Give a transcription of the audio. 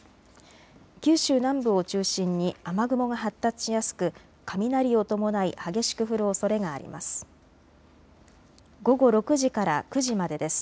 九州南部を中心に雨雲が発達しやすく雷を伴い激しく降るおそれがあります。